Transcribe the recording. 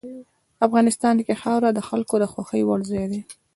افغانستان کې خاوره د خلکو د خوښې وړ ځای دی.